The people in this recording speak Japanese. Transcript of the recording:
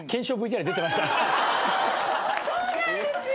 そうなんですよ。